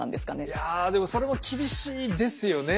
いやでもそれも厳しいですよね